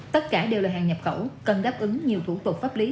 tất cả đều là hàng nhập khẩu cần đáp ứng nhiều thủ tục pháp lý